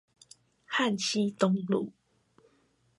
旱溪東路